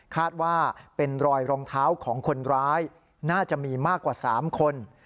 คาดว่าเป็นรอยรองเท้าของคนร้ายน่าจะมีมากกว่า๓คน